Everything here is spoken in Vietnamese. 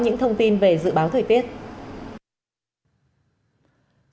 những thông tin về dự báo thời tiết